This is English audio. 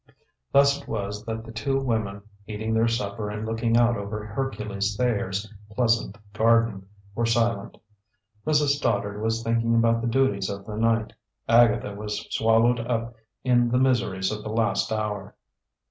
Thus it was that the two women, eating their supper and looking out over Hercules Thayer's pleasant garden, were silent. Mrs. Stoddard was thinking about the duties of the night, Agatha was swallowed up in the miseries of the last hour.